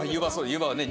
湯葉はね